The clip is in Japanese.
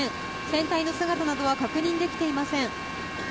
船体の姿などは確認できていません。